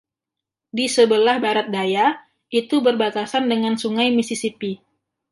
Di sebelah barat daya, itu berbatasan dengan Sungai Mississippi.